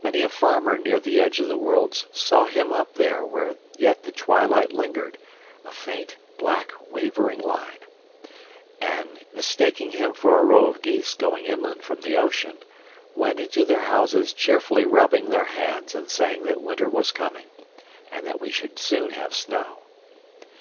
Many a farmer near the edge of the world saw him up there where yet the twilight lingered, a faint, black, wavering line; and mistaking him for a row of geese going inland from the ocean, went into their houses cheerily rubbing their hands and saying that winter was coming, and that we should soon have snow.